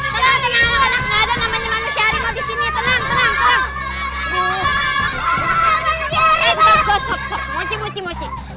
kalo ada manusia rimau disini tenang tenang tenang